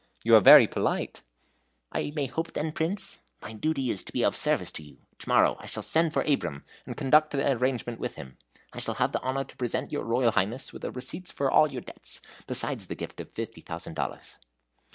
"You are very polite!" "I may hope, then, Prince? My duty is to be of service to you. To morrow I shall send for Abraham, and conclude the arrangement with him. I shall have the honor to present your Royal Highness with the receipt for all your debts, besides the gift of fifty thousand dollars."